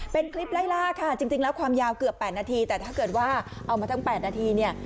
เป็นคลิปไล่ล่าค่ะจริงแล้วความยาวเกือบ๘นาทีแต่ถ้าเกิดว่าเอามาตั้ง๘นาทีเนี่ย